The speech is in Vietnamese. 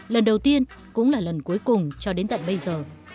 lần đầu tiên cũng là lần cuối cùng cho đến tận bây giờ